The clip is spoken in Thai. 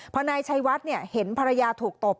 พอนายชัยวัดเห็นภรรยาถูกตบ